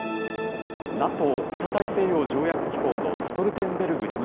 ＮＡＴＯ・北大西洋条約機構のストルテンベルグ